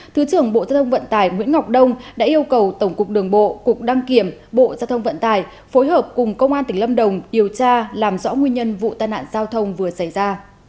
thứ trưởng bộ thông vận tải nguyễn ngọc đông đã yêu cầu tổng cục đường bộ cục đăng kiểm bộ giao thông vận tải phối hợp cùng công an tỉnh lâm đồng điều tra làm rõ nguyên nhân vụ tai nạn giao thông vừa xảy ra